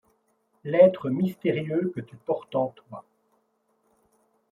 L’être mystérieux que tu portes en toi.